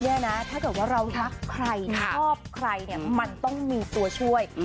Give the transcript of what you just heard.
ถ้าเกิดว่าเรารักใครชอบใครเนี่ยมันต้องมีตัวช่วย